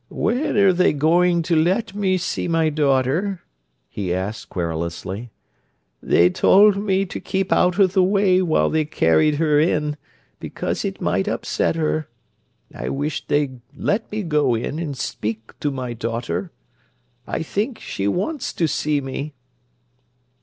"When are they going to let me see my daughter?" he asked querulously. "They told me to keep out of the way while they carried her in, because it might upset her. I wish they'd let me go in and speak to my daughter. I think she wants to see me."